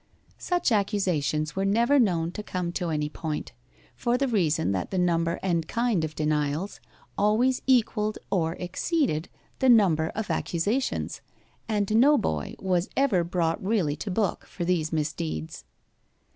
Such accusations were never known to come to any point, for the reason that the number and kind of denials always equalled or exceeded the number of accusations, and no boy was ever brought really to book for these misdeeds.